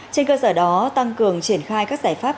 trên cơ sở đó tăng cường triển khai các giải pháp